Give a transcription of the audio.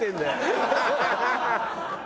ハハハハ！